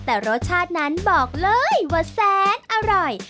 แต่รสชาตินั้นบอกเลยว่าแสนอร่อย